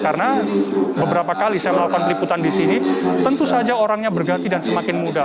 karena beberapa kali saya melakukan peliputan di sini tentu saja orangnya berganti dan semakin muda